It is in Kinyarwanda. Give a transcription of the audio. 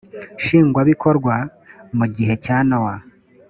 nshingwabikorwa mu gihe cya nowa